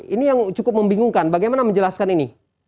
ini yang cukup membingungkan bagaimana menjelaskan ini